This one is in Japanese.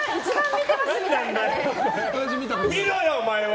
見ろよ、お前は！